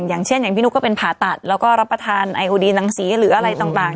อย่างเช่นอย่างพี่นุ๊กก็เป็นผ่าตัดแล้วก็รับประทานไอโอดีนังสีหรืออะไรต่าง